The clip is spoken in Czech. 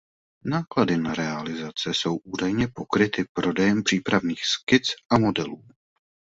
Náklady na realizace jsou údajně pokryty prodejem přípravných skic a modelů.